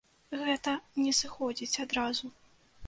Гэта не сыходзіць адразу.